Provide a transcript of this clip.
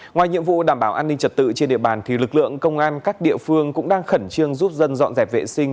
ngoài nhiệm vụ đảm bảo an ninh trật tự trên địa bàn lực lượng công an các địa phương cũng đang khẩn trương giúp dân dọn dẹp vệ sinh